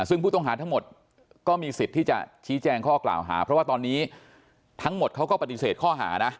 ซึ่งผู้ต้องหาทั้งหมดก็มีสิทธิ์ที่จะชี้แจงข้อกล่าวหาเพราะว่าตอนนี้ทั้งหมดเขาก็ปฏิเสธข้อหานะ